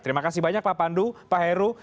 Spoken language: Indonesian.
terima kasih banyak pak pandu pak heru